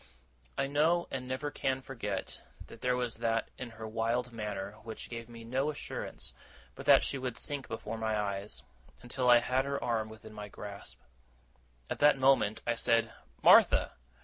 I know, and never can forget, that there was that in her wild manner which gave me no assurance but that she would sink before my eyes, until I had her arm within my grasp. At the same moment I said 'Martha!